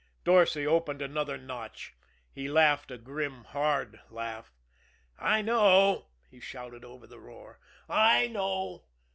Dorsay opened another notch. He laughed a grim, hard laugh. "I know," he shouted over the roar. "I know.